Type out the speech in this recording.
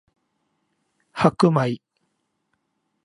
白米